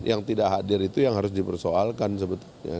yang tidak hadir itu yang harus dipersoalkan sebetulnya